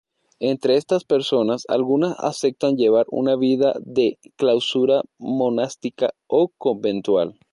Entre estas personas, algunas aceptan llevar una vida de clausura monástica o conventual.